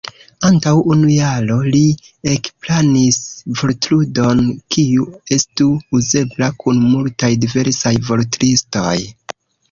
Antaŭ unu jaro li ekplanis vortludon kiu estu uzebla kun multaj diversaj vortlistoj.